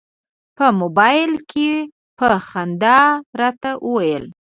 په مبایل یې په خندا راته وویل.